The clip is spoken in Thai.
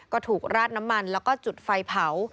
ก็ถูกราดน้ำมันแล้วก็จุดไฟเผา